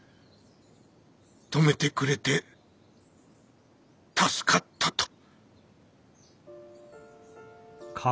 「止めてくれて助かった」と。